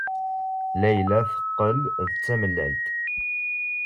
Layla teqqel d tamellalt.